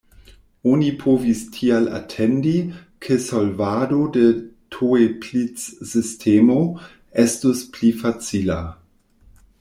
Oni povis tial atendi ke solvado de Toeplitz-sistemo estus pli facila.